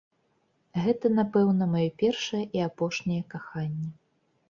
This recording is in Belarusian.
Гэта, напэўна, маё першае і апошняе каханне.